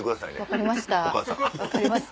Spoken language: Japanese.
分かりました。